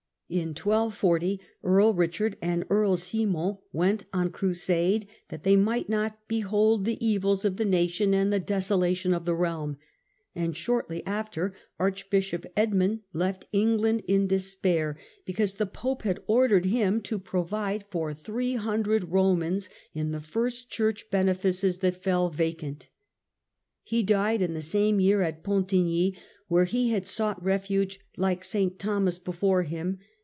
In 1240 Earl Richard and Earl Simon went on crusade, that they might not " behold the evils of the nation and the desolation of the realm", and shortly after Arch bishop Edmund left England in despair, because the pope had ordered him to provide for three hundred Romans in the first church benefices that fell vacant. He died in the same year at Pontigny, where he had sought refuge like S. Thomas before him.